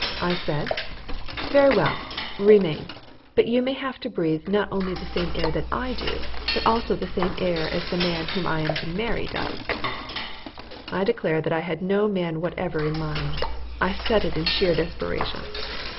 I said, "Very well, remain, but you may have to breathe not only the same air that I do, but also the same air that the man whom I am to marry does." I declare that I had no man whatever in mind. I said it in sheer desperation.